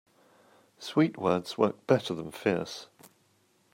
Sweet words work better than fierce.